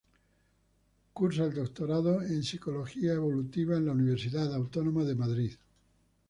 Cursa el doctorado en Psicología Evolutiva en la Universidad Autónoma de Madrid.